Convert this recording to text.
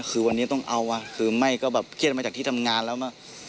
คือวันนี้ต้องเอาคือไม่ก็แบบเครียดมาจากที่ทำงานแล้วมั้ง